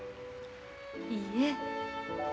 いいえ。